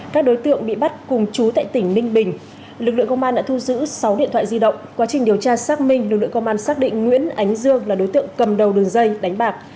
các đối tượng bị bắt cùng chú tại tỉnh ninh bình lực lượng công an đã thu giữ sáu điện thoại di động quá trình điều tra xác minh lực lượng công an xác định nguyễn ánh dương là đối tượng cầm đầu đường dây đánh bạc